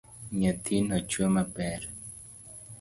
Nyathino chwe maber.